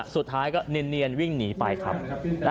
สุดท้ายก็เนียนวิ่งหนีไปครับ